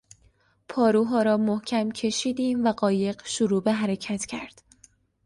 پاروها را محکم کشیدیم و قایق شروع به حرکت کرد.